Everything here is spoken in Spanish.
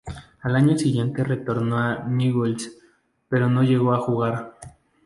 Al año siguiente retornó a Newell's, pero no llegó a jugar.